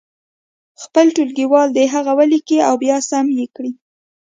خپل ټولګیوال دې هغه ولیکي او بیا سم یې کړي.